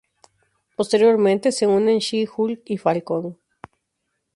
Posteriormente se unen She-Hulk y Falcon.